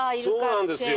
そうなんですよ。